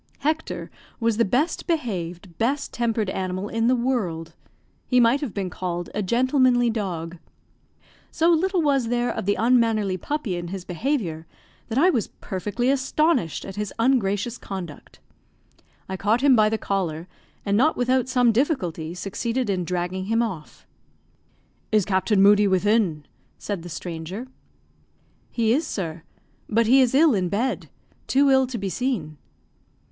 Hector was the best behaved, best tempered animal in the world; he might have been called a gentlemanly dog. So little was there of the unmannerly puppy in his behaviour, that I was perfectly astonished at his ungracious conduct. I caught him by the collar, and not without some difficulty, succeeded in dragging him off. "Is Captain Moodie within?" said the stranger. "He is, sir. But he is ill in bed too ill to be seen."